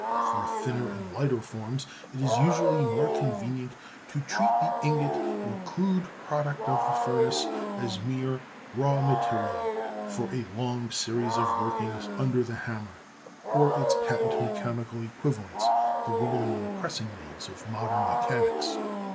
For thinner and lighter forms it is usually more convenient to treat the ingot or crude product of the furnace as mere raw material for a long series of workings under the hammer, or its patent mechanical equivalents, the rolling and pressing mills of modern mechanics.